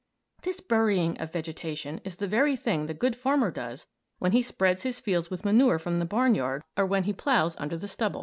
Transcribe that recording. This burying of vegetation is the very thing the good farmer does when he spreads his fields with manure from the barnyard, or when he ploughs under the stubble.